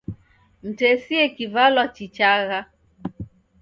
Mtesie kivalwa chichagha.